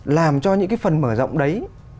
làm cho những cái phần mở rộng đấy